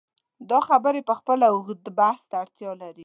دا خبرې پخپله اوږد بحث ته اړتیا لري.